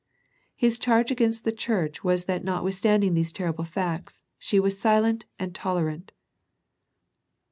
His charge against the church was that notwith standing these terrible facts, she was silent and tolerant.